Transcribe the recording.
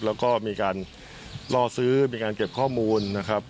แล้วก็มีการล่อซื้อมีการเก็บข้อมูลนะครับ